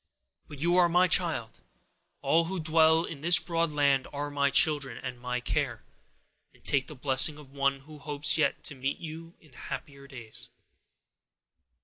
But you are my child: all who dwell in this broad land are my children, and my care; and take the blessing of one who hopes yet to meet you in happier days."